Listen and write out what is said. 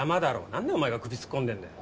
なんでお前が首突っ込んでんだよ。